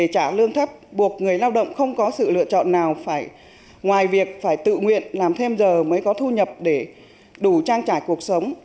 trả lương thấp buộc người lao động không có sự lựa chọn nào ngoài việc phải tự nguyện làm thêm giờ mới có thu nhập để đủ trang trải cuộc sống